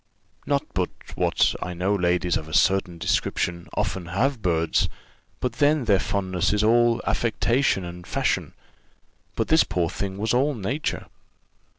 Not but what I know ladies of a certain description often have birds, but then their fondness is all affectation and fashion; but this poor thing was all nature.